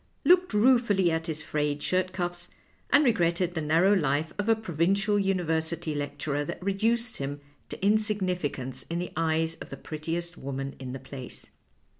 looked ruefully at his frayed shirt cuffs, and regretted the narrow life of a pro vincial university lecturer that reduced him to in significance in the eyes of the prettiest woman in the place.